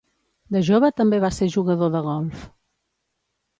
De jove també va ser jugador de golf.